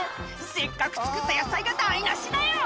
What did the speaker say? せっかく作った野菜が台無しだよ！